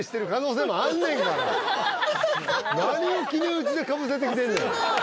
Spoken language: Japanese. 何を決めうちでかぶせてきてるねん